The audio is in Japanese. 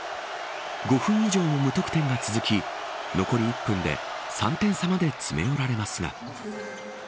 ５分以上も無得点が続き残り１分で３点差まで詰め寄られますが。